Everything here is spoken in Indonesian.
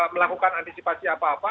melakukan antisipasi apa apa